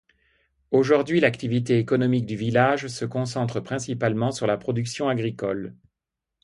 Aujourd'hui l'activité économique du village se concentre principalement sur la production agricole.